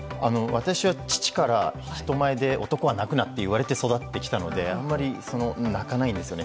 私は父から人前で男は泣くなと言われて育ってきたのであまり泣かないんですよね。